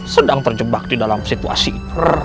sedang terjebak di dalam situasi